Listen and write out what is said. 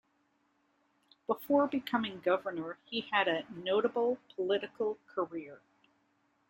Before becoming governor, he had a notable political career.